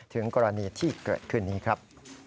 ถึงกรณีที่เกิดขึ้นนี้ครับ